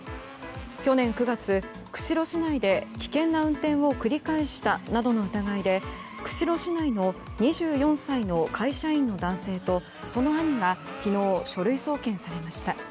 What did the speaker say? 去年９月、釧路市内で危険な運転を繰り返したなどの疑いで釧路市内の２４歳の会社員の男性とその兄が昨日書類送検されました。